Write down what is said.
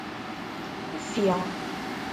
Ffi.